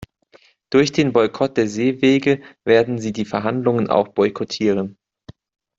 Durch den Boykott der Seewege werden sie die Verhandlungen auch boykottieren.